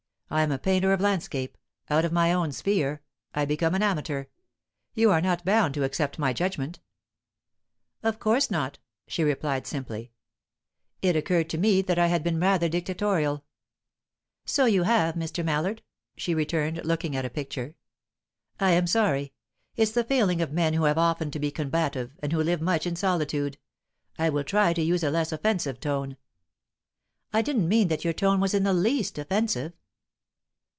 I am a painter of landscape; out of my own sphere, I become an amateur. You are not bound to accept my judgment." "Of course not," she replied simply. "It occurred to me that I had been rather dictatorial." "So you have, Mr. Mallard," she returned, looking at a picture. "I am sorry. It's the failing of men who have often to be combative, and who live much in solitude. I will try to use a less offensive tone." "I didn't mean that your tone was in the least offensive."